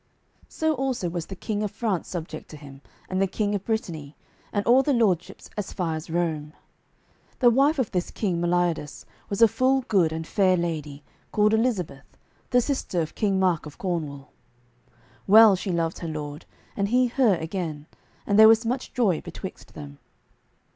So also was the King of France subject to him, and the King of Brittany, and all the lordships as far as Rome. The wife of this King Meliodas was a full good and fair lady, called Elizabeth, the sister of King Mark of Cornwall. Well she loved her lord, and he her again, and there was much joy betwixt them.